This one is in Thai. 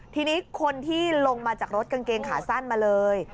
ทีนี้คนที่ลงมาจากรถกางเกงขาสั้นมาเลย